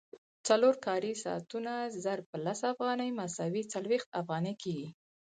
څلور کاري ساعتونه ضرب په لس افغانۍ مساوي څلوېښت افغانۍ کېږي